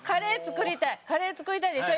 カレー作りたいでしょ？